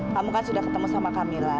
kamu kan sudah ketemu sama camilla